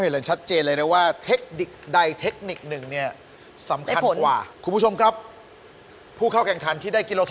เผ็ดและเก๋าเป็นขระ